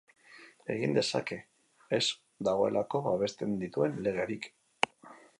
Egin dezake, ez dagoelako babesten dituen legerik.